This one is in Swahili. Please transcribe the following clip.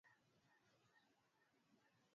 kwa moja kuu dhidi ya paris german